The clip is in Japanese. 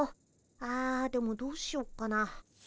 ああでもどうしよっかな。